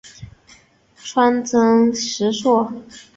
川黔石栎